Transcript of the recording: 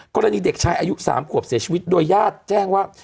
กรณีเด็กชายอายุ๓ขวบเสียชีวิตโดยญาติแจ้งว่า